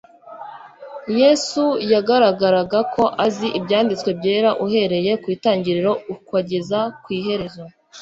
Yesu yagaragaraga ko azi Ibyanditswe Byera uhereye ku Itangiriro ukageza kw'iherezo